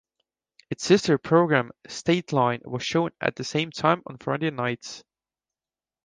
Its sister program, "Stateline" was shown at the same time on Friday nights.